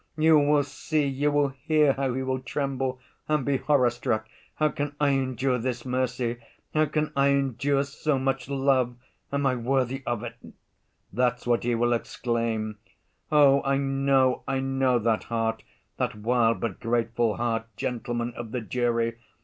You will see, you will hear how he will tremble and be horror‐struck. 'How can I endure this mercy? How can I endure so much love? Am I worthy of it?' That's what he will exclaim. "Oh, I know, I know that heart, that wild but grateful heart, gentlemen of the jury!